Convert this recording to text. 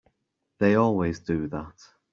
They always do that.